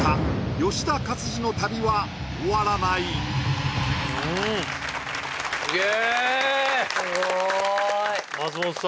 吉田勝次の旅は終わらないスゲェスゴーい松本さん